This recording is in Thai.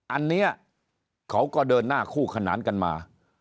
อันนี้เขาก็เดินหน้าคู่ขนานกันมา